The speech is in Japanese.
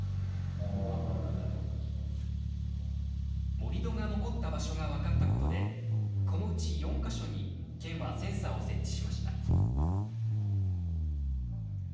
盛り土が残った場所が分かったことで、このうち４か所に県はセンサーを設置しました。